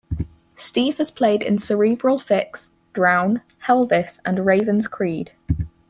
Steve has played in Cerebral Fix, Drown, Helvis and Raven's Creed.